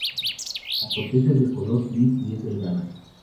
La corteza es de color gris y es delgada.